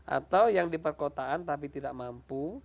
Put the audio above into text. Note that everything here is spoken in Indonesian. atau yang di perkotaan tapi tidak mampu